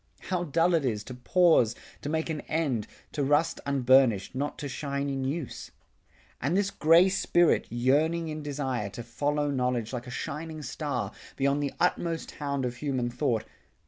How dull it is to pause, to make an end, To rust unburnished, not to shine in use! And this gray spirit yearning in desire To follow knowledge like a shining star Beyond the utmost hound of human thought.